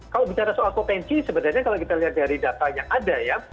kalau bicara soal potensi sebenarnya kalau kita lihat dari data yang ada ya